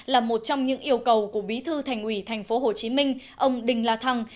là một trong những yêu cầu của bí thư thành ủy tp hcm ông đình là thăng